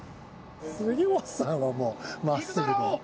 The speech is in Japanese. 杉本さんはもう真っすぐで。